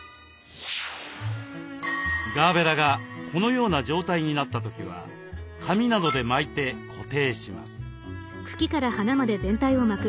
ガーベラがこのような状態になった時は紙などで巻いて固定します。